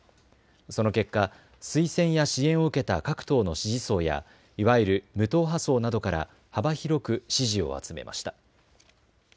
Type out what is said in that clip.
その結果、推薦や支援を受けた各党の支持層やいわゆる無党派層などから幅広く支持を集めました。